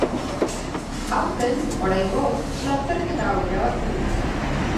Aurten, oraingoz, lasterketa hau irabazi du.